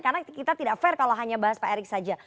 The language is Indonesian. karena kita tidak fair kalau hanya bahas pak erik saja